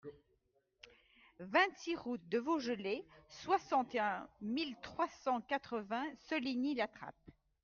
vingt-six route de Vaugelay, soixante et un mille trois cent quatre-vingts Soligny-la-Trappe